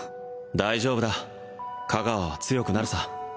大丈夫だ香川は強くなるさ